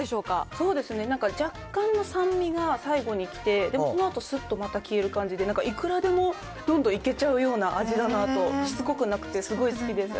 そうですね、なんか若干の酸味が最後に来て、でもそのあとすっとまた消える感じで、なんかいくらでもどんどんいけちゃう味だなと、しつこくなくてすごい好きです。